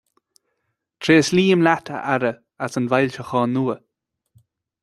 Tréaslaím leat a Aire as an bhfoilseachán nua.